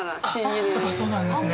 やっぱそうなんですね！